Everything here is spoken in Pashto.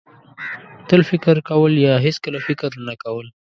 تل فکر کول یا هېڅکله فکر نه کول.